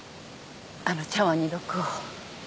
あの茶わんに毒を。